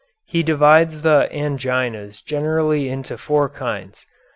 He divides the anginas generally into four kinds.